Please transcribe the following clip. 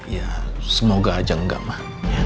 ya semoga aja gak mah